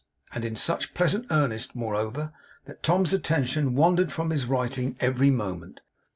And in such pleasant earnest, moreover, that Tom's attention wandered from his writing every moment.